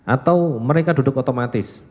atau mereka duduk otomatis